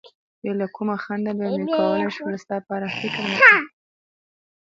بې له کوم خنډه به مې کولای شول ستا په اړه فکر وکړم.